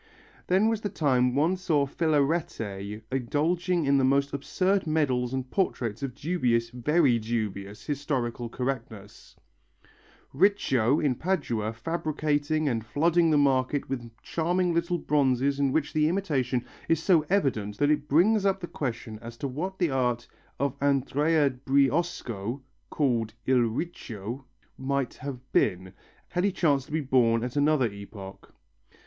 Then was the time one saw Filarete indulging in most absurd medals and portraits of dubious, very dubious, historical correctness; Riccio in Padua fabricating and flooding the market with charming little bronzes in which the imitation is so evident that it brings up the question as to what the art of Andrea Briesco (called il Riccio) might have been, had he chanced to be born at another epoch.